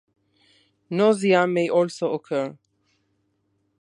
Nausea may also occur.